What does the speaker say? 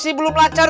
masih belum lacer